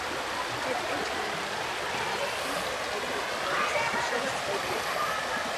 პეტრე ჩაადაევი „კეთილდღეობის კავშირის“ წევრი იყო.